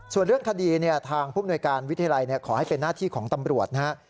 ส่วนเรื่องคดีเนี่ยทางผู้ปนวยการวิทยาลัยเนี่ยขอให้เป็นหน้าที่ของตำรวจนะฮะ